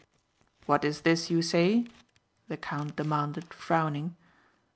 "What is this you say?" the count demanded frowning.